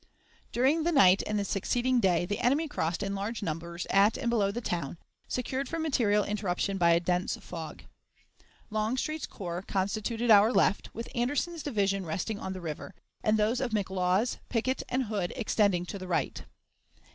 During the night and the succeeding day the enemy crossed in large numbers at and below the town, secured from material interruption by a dense fog. Longstreet's corps constituted our left, with Anderson's division resting on the river, and those of McLaws, Pickett, and Hood extending to the right.